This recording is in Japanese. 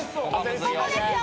ここですよ